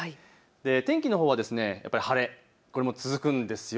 天気のほうは晴れ、続くんです。